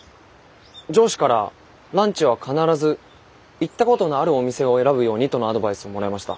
上司からランチは必ず行ったことのあるお店を選ぶようにとのアドバイスをもらいました。